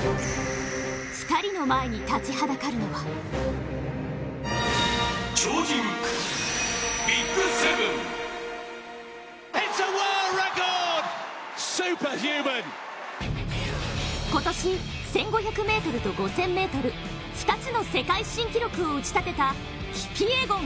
２人の前に立ちはだかるのは今年１５００ｍと５０００ｍ、２つの世界記録を打ち立てたキピエゴン。